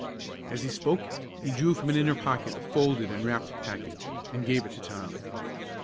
As he spoke he drew, from an inner pocket, a folded and wrapped package, and gave it to Tom.